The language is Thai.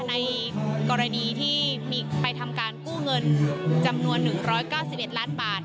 ในกรณีที่มีไปทำการกู้เงินจำนวน๑๙๑ล้านบาท